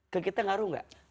ke kita ngaruh gak